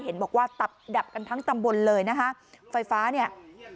เห็นบอกว่าตับดับกันทั้งตำบลเลยนะคะไฟฟ้าเนี่ย